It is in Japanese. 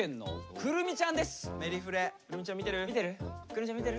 くるみちゃん見てる？